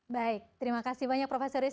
baik terima kasih banyak profesor riz